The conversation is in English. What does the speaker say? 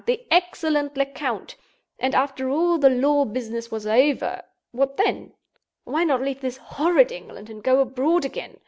the excellent Lecount! And after all the law business was over—what then? Why not leave this horrid England and go abroad again?